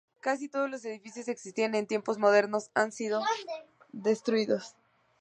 Casi todos los edificios que existían en Tiempos Modernos han sido destruidos.